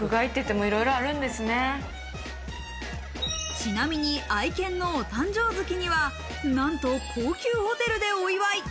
ちなみに愛犬のお誕生月にはなんと高級ホテルでお祝い。